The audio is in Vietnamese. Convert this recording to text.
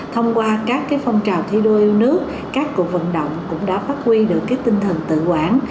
thông qua các phong trào thi đua yêu nước các cuộc vận động cũng đã phát huy được tinh thần tự quản